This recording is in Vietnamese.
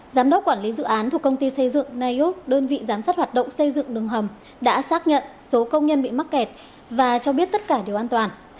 giám đốc quản lý dự án thuộc công ty xây dựng nioc đơn vị giám sát hoạt động xây dựng đường hầm đã xác nhận số công nhân bị mắc kẹt và cho biết tất cả đều an toàn